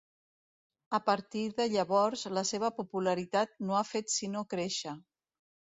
A partir de llavors la seva popularitat no ha fet sinó créixer.